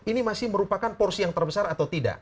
ini masih merupakan porsi yang terbesar atau tidak